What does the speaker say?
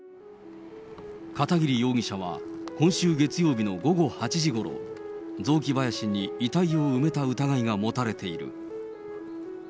片桐容疑者は今週月曜日の午後８時ごろ、雑木林に遺体を埋めた疑いが持たれている。